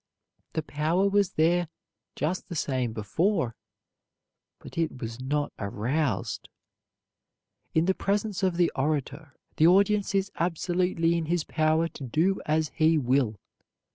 The power was there just the same before, but it was not aroused. In the presence of the orator, the audience is absolutely in his power to do as he will.